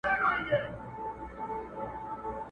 یو پاچا د پښتنو چي ډېر هوښیار وو!.